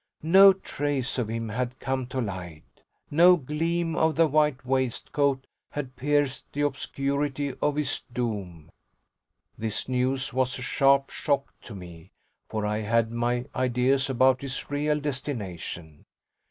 No trace of him had come to light no gleam of the white waistcoat had pierced the obscurity of his doom. This news was a sharp shock to me, for I had my ideas about his real destination.